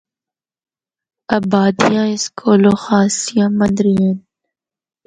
آبادیاں اس کولو خاصیاں مندریاں ہن۔